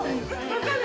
分かる！